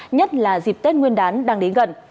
nhất là dịp tết nguyên đán đang đến gần